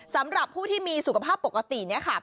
สำหรับผู้ที่มีสุขภาพปกติ